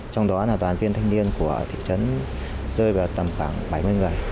trong đó là đoàn viên thanh niên của thị trấn rơi vào tầm khoảng bảy mươi người